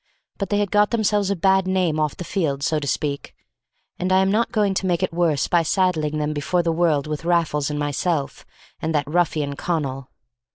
But they had got themselves a bad name off the field, so to speak; and I am not going to make it worse by saddling them before the world with Raffles and myself, and that ruffian Connal.